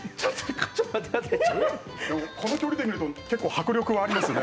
この距離で見ると迫力はありますね。